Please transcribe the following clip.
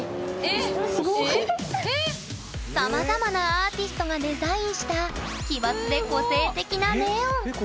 さまざまなアーティストがデザインした奇抜で個性的なネオン。